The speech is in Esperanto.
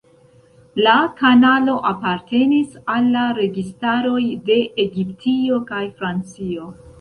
La kanalo apartenis al la registaroj de Egiptio kaj Francio.